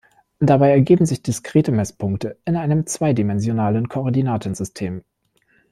Dabei ergeben sich diskrete Messpunkte in einem zweidimensionalen Koordinatensystem.